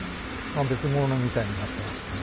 あ別物みたいになってますから。